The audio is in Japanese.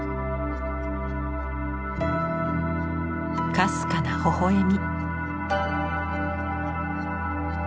かすかな微笑み。